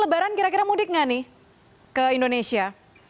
lebaran kira kira mudik nggak nih ke indonesia